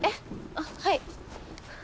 あっはい。